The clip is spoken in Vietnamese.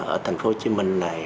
ở thành phố hồ chí minh này